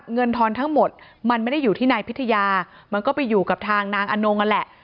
ทอนทั้งหมดมันไม่ได้อยู่ที่นายพิทยามันก็ไปอยู่กับทางนางอนงนั่นแหละ